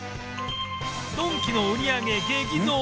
ドンキの売り上げ激増！